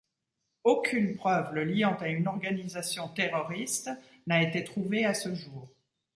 Aucune preuve le liant à une organisation terroriste n'a été trouvée à ce jour.